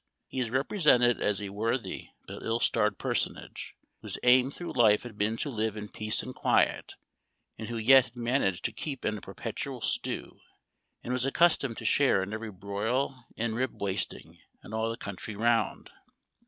He is represented as a worthy but ill starred personage, whose aim through life had been to live in peace and quiet, and who yet had managed to keep in a.perpetual stew, and was accustomed to share in every broil and ribwasting in all the country round.